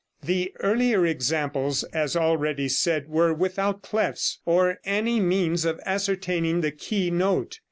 The earlier examples, as already said, were without clefs or any means of ascertaining the key note.